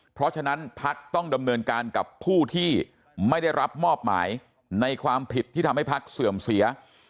เพราะฉะนั้นพักต้องดำเนินการกับผู้ที่ไม่ได้รับมอบหมายในความผิดที่ทำให้พักเสื่อมเสีย